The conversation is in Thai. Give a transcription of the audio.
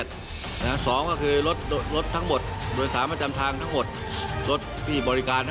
สนุนโดยเอกลักษณ์ใหม่ในแบบที่เป็นคุณโอลี่คัมรี่